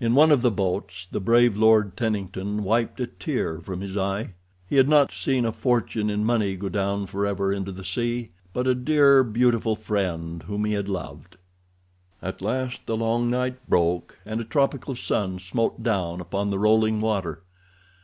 In one of the boats the brave Lord Tennington wiped a tear from his eye—he had not seen a fortune in money go down forever into the sea, but a dear, beautiful friend whom he had loved. At last the long night broke, and a tropical sun smote down upon the rolling water.